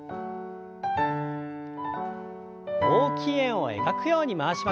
大きい円を描くように回しましょう。